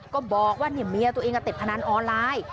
ก็บอกว่าเมียตัวเองติดพนันออนไลน์